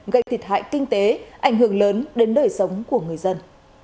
gây thiệt hại kinh tế ảnh hưởng lớn đến đời sống của người dân